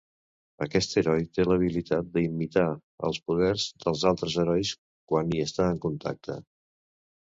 Aquest heroi té l'habilitat d'imitar els poders dels altres herois quan hi està en contacte.